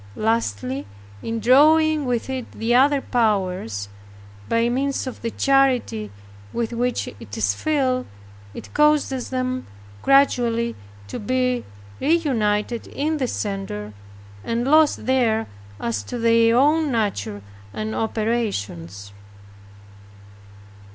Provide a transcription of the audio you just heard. Lastly in drawing with it the other powers, by means of the charity with which it is filled. It causes them gradually to be reunited in the Center, and lost there as to their own nature and operations.